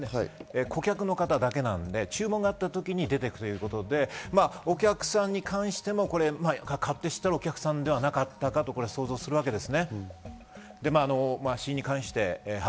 顧客の方だけなので注文があった時に出て行くということでお客さんに関しても、勝手知ったるお客さんではなかったのかと想像するわけです。